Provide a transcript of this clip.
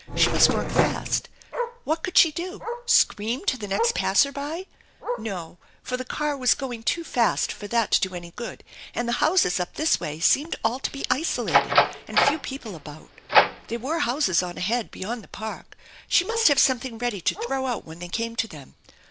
She must work fast. What could she do ? Scream to the next passer by ? THE ENCHANTED BARN 249 No, for the car was going too fast for that to do any good, and the nouses up this way seemed all to be isolated, and few people about. There were houses on ahead beyond the park. She must have something ready to throw out when they came to them.